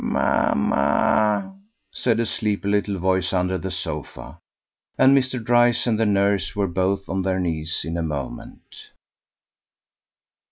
"Mamma!" said a sleepy little voice under the sofa, and Mr. Dryce and the nurse were both on their knees in a moment.